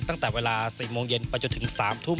ตั้งแต่เวลา๔โมงเย็นไปจนถึง๓ทุ่ม